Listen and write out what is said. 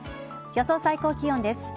予想最高気温です。